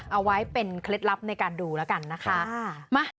เอาไว้เป็นเคล็ดลับในการดูแล้วกันนะคะ